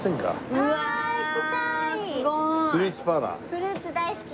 フルーツ大好きです。